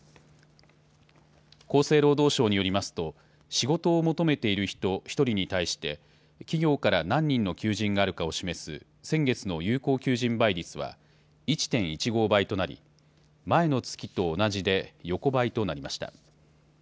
厚生労働省によりますと仕事を求めている人１人に対して企業から何人の求人があるかを示す先月の有効求人倍率は１．１５倍となり前の月と同じで横ばいとなりました。